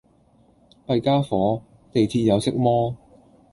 弊傢伙，地鐵有色魔